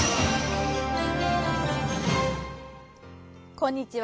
こんにちは。